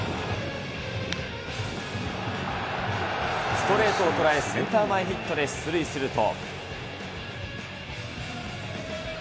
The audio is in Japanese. ストレートを捉え、センター前ヒットで出塁すると。